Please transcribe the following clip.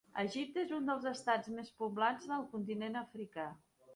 Egipte és un dels Estats més poblats del continent africà.